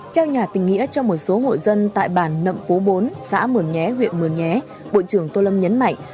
trao nhà tình nghĩa cho một số hộ dân tại bản nậm pố bốn xã mường nhé huyện mường nhé bộ trưởng tô lâm nhấn mạnh